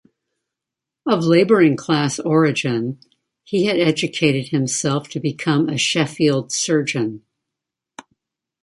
Of labouring class origin, he had educated himself to become a Sheffield surgeon.